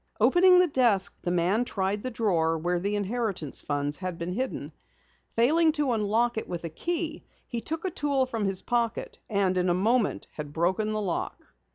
Opening the desk, the man tried the drawer where the inheritance funds had been hidden. Failing to unlock it with a key, he took a tool from his pocket and in a moment had broken the lock.